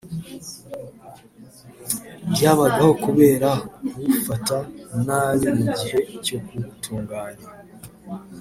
byabagaho kubera kuwufata nabi mu gihe cyo kuwutunganya